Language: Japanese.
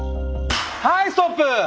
はいストップ！